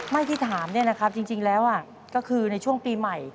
ไม่ที่ถามเนี่ยนะครับจริงแล้วก็คือในช่วงปีใหม่